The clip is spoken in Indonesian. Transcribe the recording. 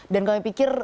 dan kami pikir